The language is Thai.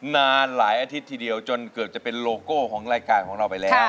นานหลายอาทิตย์ทีเดียวจนเกือบจะเป็นโลโก้ของรายการของเราไปแล้ว